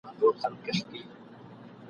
چي یې قربان کړل خپل اولادونه !.